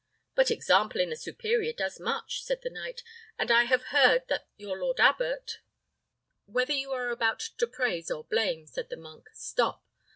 "But example in the superior does much," said the knight; "and I have heard that your lord abbot " "Whether you are about to praise or blame," said the monk, "stop!